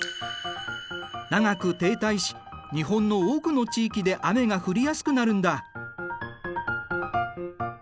長く停滞し日本の多くの地域で雨が降りやすくなるんだ。